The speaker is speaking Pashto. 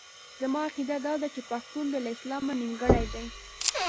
زما عقیده داده چې پښتون بې له اسلام نیمګړی دی.